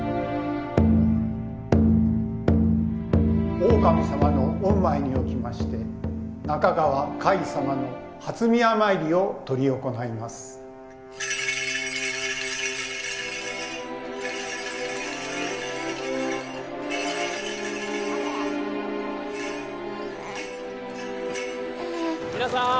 大神様の御前におきまして仲川海様の初宮参りを執り行います皆さーん